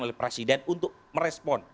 melalui presiden untuk merespon